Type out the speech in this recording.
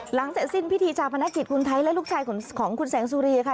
เสร็จสิ้นพิธีชาพนักกิจคุณไทยและลูกชายของคุณแสงสุรีค่ะ